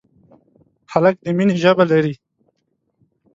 هلک د مینې ژبه لري.